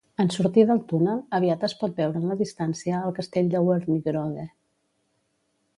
En sortir del túnel aviat es pot veure en la distància el castell de Wernigerode.